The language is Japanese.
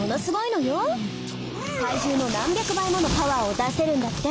体重の何百倍ものパワーを出せるんだって。